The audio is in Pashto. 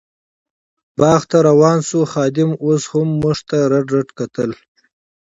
بڼ ته روان شوو، خادم اوس هم موږ ته رډ رډ کتل.